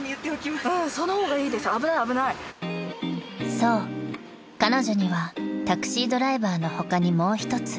［そう彼女にはタクシードライバーの他にもう一つ